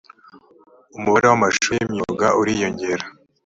umubare w amashuri y imyuga uriyongera